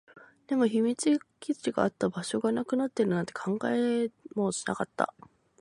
でも、秘密基地があった場所がなくなっているなんて考えもしなかった